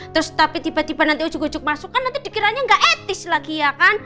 terus tapi tiba tiba nanti ujuk ujuk masuk kan nanti dikiranya nggak etis lagi ya kan